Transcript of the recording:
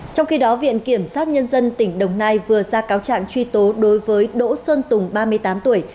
trong khi đó viện kiểm sát nhân dân tỉnh đồng nai vừa ra cáo trạng truy tố đối với đỗ sơn tùng ba mươi tám tuổi